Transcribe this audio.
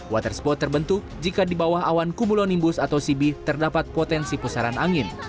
waterspot terbentuk jika di bawah awan kumulonimbus atau sibih terdapat potensi pusaran angin